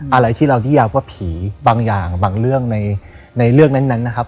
อะไรที่เรานิยามว่าผีบางอย่างบางเรื่องในเรื่องนั้นนะครับ